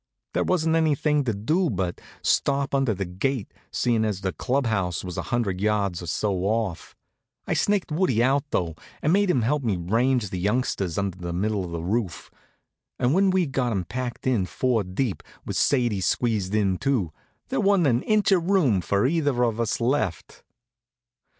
There wasn't anything to do then but stop under the gate, seein' as the club house was a hundred yards or so off. I snaked Woodie out, though, and made him help me range the youngsters under the middle of the roof; and when we'd got 'em packed in four deep, with Sadie squeezed in too, there wa'n't an inch of room for either of us left.